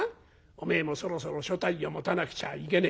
『おめえもそろそろ所帯を持たなくちゃいけねえ。